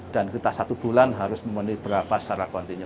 dan kita satu bulan harus memenuhi berapa secara kontinu